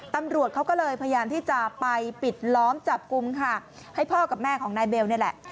ตำรวจเขาก็เลยพยายามที่จะไปปิดล้อมจับกลุ่มค่ะให้พ่อกับแม่ของนายเบลนี่แหละ